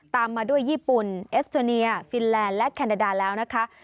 ตามมาด้วยญี่ปุ่นเอสโตเนียฟินแลนด์และแคนาดาแล้วนะคะ